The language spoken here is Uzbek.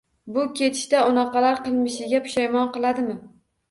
Bu ketishda unaqalar qilmishiga pushmon qiladimi